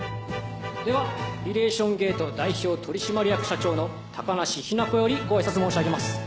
ではリレーション・ゲート代表取締役社長の高梨雛子よりご挨拶申し上げます。